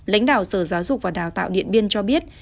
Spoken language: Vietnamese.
lãnh đạo sở giáo dục và đào tạo điện biên cho biết